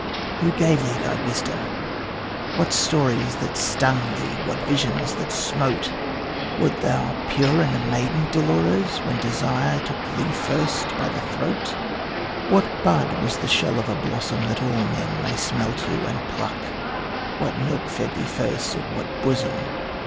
Who gave thee thy wisdom? what stories That stung thee, what visions that smote? Wert thou pure and a maiden, Dolores, When desire took thee first by the throat? What bud was the shell of a blossom That all men may smell to and pluck? What milk fed thee first at what bosom?